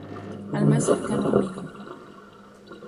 Al más cercano amigo.